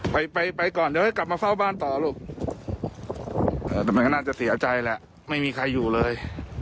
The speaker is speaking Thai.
ไปไปก่อนเดี๋ยวให้กลับมาเฝ้าบ้านต่อลูกแต่มันก็น่าจะเสียใจแหละไม่มีใครอยู่เลย